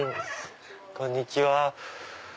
こんにちは。